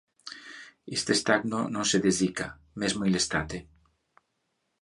Iste stagno non se desicca, mesmo in le etate.